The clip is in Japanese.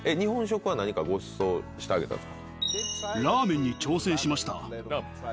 何かごちそうしてあげたんですか？